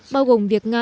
bao gồm việc nga